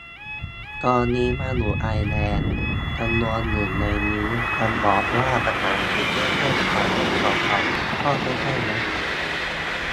ตอนนี้มาอยู่ไอร์แลนด์ จำนวนนึงในนี้จะบอกว่าภาษาอังกฤษไม่ใช่ "ภาษาแม่" ของเขาก็ไม่ใช่นะ